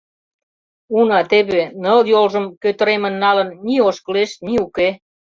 Уна, теве, ныл йолжым кӧтыремын налын, ни ошкылеш, ни уке.